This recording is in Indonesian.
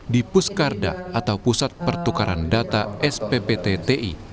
di puskarda atau pusat pertukaran data spptti